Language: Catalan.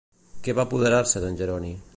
Què va apoderar-se d'en Jeroni?